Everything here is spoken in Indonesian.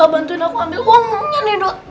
bantuin aku ambil uangnya nih dok